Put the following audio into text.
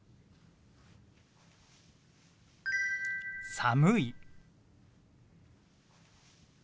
「寒い」。